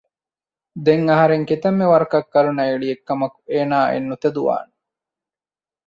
ދެން އަހަރެން ކިތަންމެ ވަރަކަށް ކަރުނަ އެޅިއެއް ކަމަކު އޭނާއެއް ނުތެދުވާނެ